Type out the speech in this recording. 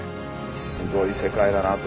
すごい世界だなあと。